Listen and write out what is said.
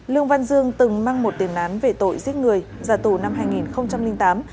lương văn dương từng mang một tiềm nán về tội giết người giả tù năm hai nghìn tám